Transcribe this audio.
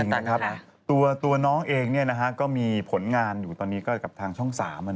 เสียใจด้วยจริงนะครับตัวน้องเองเนี่ยนะฮะก็มีผลงานอยู่ตอนนี้ก็กลับทางช่อง๓แล้วนะ